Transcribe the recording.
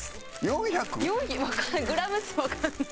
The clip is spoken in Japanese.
グラム数わかんない。